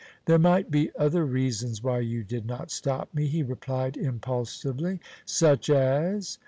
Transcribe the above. "There might be other reasons why you did not stop me," he replied impulsively. "Such as?"